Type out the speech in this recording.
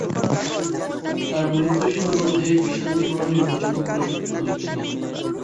তার মৃত্যু সম্বন্ধে বিশদ বিবরণ নির্ভরযোগ্য কোনো সূত্রে উল্লেখ নেই।